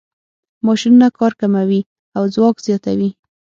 ماشینونه کار کموي او ځواک زیاتوي.